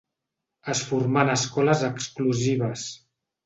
Es formà en escoles exclusives.